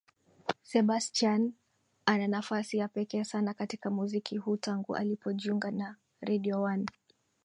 Sebastian ana nafasi ya pekee sana katika muziki huu tangu alipojiunga na Radio one